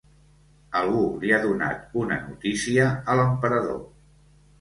Algú li ha donat una notícia a l'Emperador.